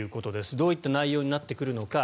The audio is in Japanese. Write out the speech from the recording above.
どういった内容になってくるのか。